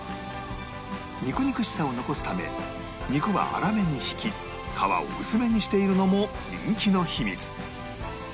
肉々しさを残すため肉は粗めに挽き皮を薄めにしているのも人気の秘密